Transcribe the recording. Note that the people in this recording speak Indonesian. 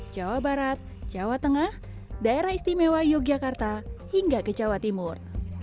jawa barat jawa tengah daerah istimewa yogyakarta hingga ke jawa timur